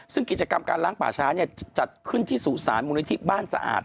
ซึ่งกิจกรรมการล้างป่าช้าจัดขึ้นที่สุสานมูลนิธิบ้านสะอาด